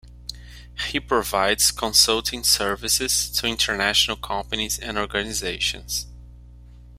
He provides consulting services to international companies and organizations.